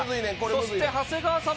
そして長谷川さん